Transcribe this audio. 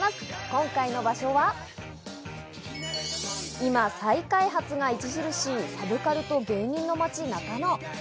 今回の場所は今、再開発が著しいサブカルと芸人の街・中野。